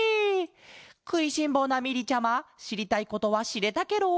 くいしんぼうなみりちゃましりたいことはしれたケロ？